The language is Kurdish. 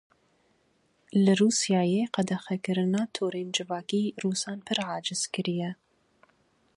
Li Rûsyayê Qedexekirina torên civakî rûsan pir aciz kiriye.